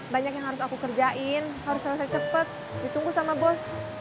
banyak yang harus aku kerjain harus selesai cepat ditunggu sama bos